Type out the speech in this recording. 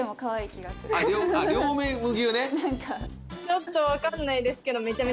ちょっと分かんないですけど。